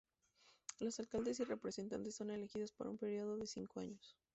Los alcaldes y representantes son elegidos para un período de cinco años.